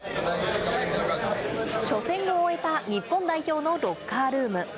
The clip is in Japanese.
初戦を終えた日本代表のロッカールーム。